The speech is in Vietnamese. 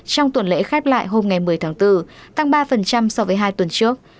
trong tuần lễ khép lại hôm ngày một mươi tháng bốn tăng ba so với hai tuần trước